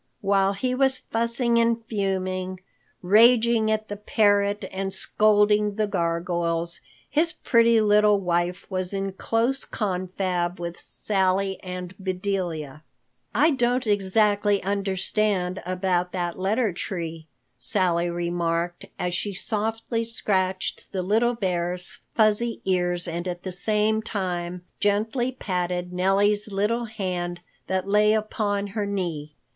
While he was fussing and fuming, raging at the parrot and scolding the gargoyles, his pretty little wife was in close confab with Sally and Bedelia. "I don't exactly understand about that letter tree," Sally remarked, as she softly scratched the little bear's fuzzy ears and at the same time gently patted Nellie's little hand that lay upon her knee.